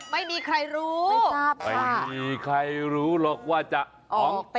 ไม่มีใครรู้ไม่ทราบเลยไม่มีใครรู้หรอกว่าจะของเต็ม